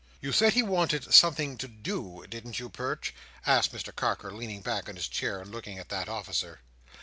"You said he wanted something to do, didn't you, Perch?" asked Mr Carker, leaning back in his chair and looking at that officer.